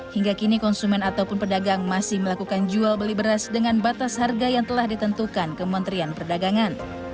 hingga kini konsumen ataupun pedagang masih melakukan jual beli beras dengan batas harga yang telah ditentukan kementerian perdagangan